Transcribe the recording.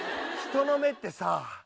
人の目ってさ